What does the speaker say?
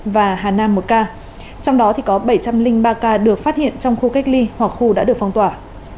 và hà nam một ca trong đó thì có bảy trăm linh ba ca được phát hiện trong khu cách ly hoặc khu đã được phong tỏa